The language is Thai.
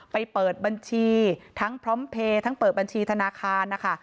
เปิดบัญชีทั้งพร้อมเพลย์ทั้งเปิดบัญชีธนาคารนะคะ